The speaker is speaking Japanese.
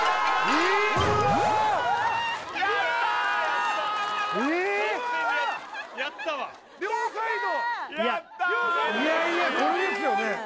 いやいやこれですよね